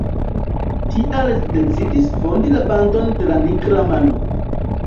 Tial li decidis fondi la bandon de la nigra mano.